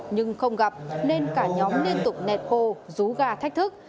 nhưng không gặp nên cả nhóm liên tục nẹt bồ rú gà thách thức